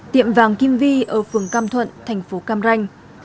tiệm vàng kim vi ở phường cam thuận thành phố cam ranh